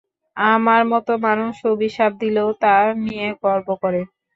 আমার মতো মানুষ অভিশাপ দিলেও তা নিয়ে গর্ব করে।